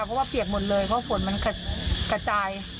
เพราะว่าเปียกหมดเลยเพราะฝนมันกระจาย